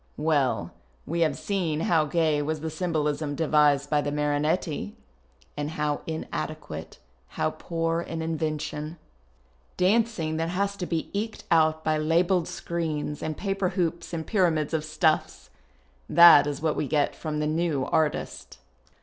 Well, we have seen how gay was the symbolism devised by the Marinetti. And how inadequate, how poor in invention. Dancing that has to be eked out by labelled screens and paper hoops and pyramids of stuffs ! That is what we get from the new artist.